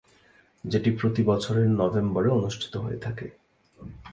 যেটি প্রতি বছরের নভেম্বরে অনুষ্ঠিত হয়ে থাকে।